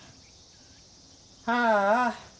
ああ。